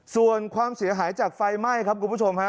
ส่วนความเสียหายจากไฟไหม้ครับคุณผู้ชมฮะ